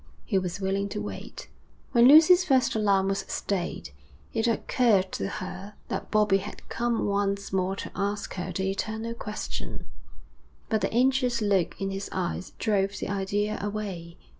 He was willing to wait. When Lucy's first alarm was stayed, it occurred to her that Bobbie had come once more to ask her the eternal question, but the anxious look in his eyes drove the idea away.